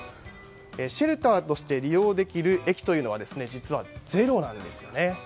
シェルターとして利用できる駅は実はゼロなんです。